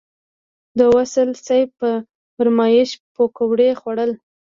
د وصال صیب په فرمایش پکوړې وخوړل.